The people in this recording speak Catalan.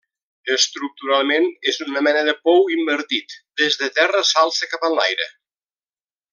Estructuralment és una mena de pou invertit, des de terra s'alça cap enlaire.